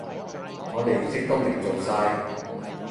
我離職都未做晒